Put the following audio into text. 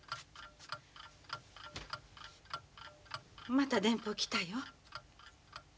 ・また電報来たよ。